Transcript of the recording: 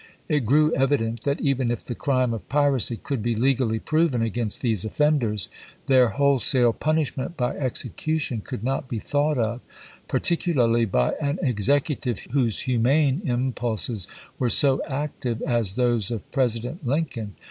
It grew evident that even if the crime of piracy could be legally proven against these offenders, their wholesale punishment by execution could not be thought of, particularly by an Executive whose humane im pulses were so active as those of President Lin coln.